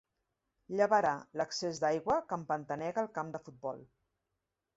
Llevarà l'excés d'aigua que empantanega el camp de futbol.